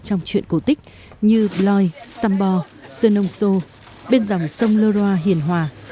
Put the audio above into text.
trong chuyện cổ tích như blois stambo sơn ông sô bên dòng sông lơ roa hiền hòa